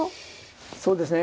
そうですね